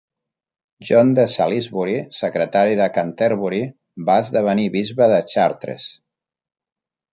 John de Salisbury, secretari de Canterbury, va esdevenir bisbe de Chartres.